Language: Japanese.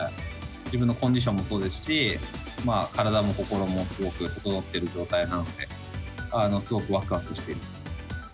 自分のコンディションもそうですし、体も心もすごく整ってる状態なので、すごくわくわくしている。